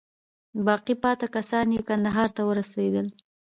باقي پاته کسان یې کندهار ته ورسېدل.